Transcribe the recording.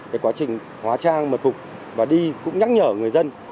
cái quá trình hóa trang mật phục và đi cũng nhắc nhở người dân